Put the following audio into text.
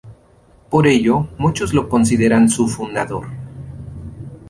Por ello, muchos lo consideran su fundador.